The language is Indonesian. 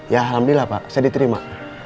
ya alhamdulillah pak saya diterima